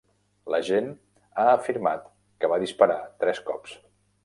L'agent ha afirmat que va disparar tres cops.